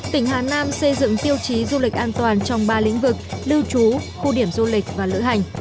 tỉnh hà nam xây dựng tiêu chí du lịch an toàn trong ba lĩnh vực lưu trú khu điểm du lịch và lữ hành